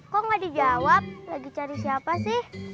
kok gak dijawab lagi cari siapa sih